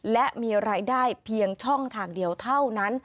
และมีรายได้เพียงช่องทางเดียวเท่านั้น